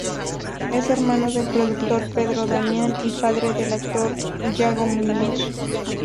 Es hermano del productor Pedro Damián y padre del actor Yago Muñoz.